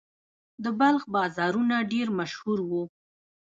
د بلخ بازارونه ډیر مشهور وو